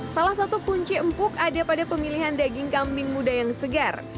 salah satu kunci empuk ada pada pemilihan daging kambing muda yang segar